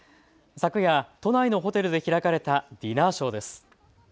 昨夜、都内のホテルで開かれたディナーショーです。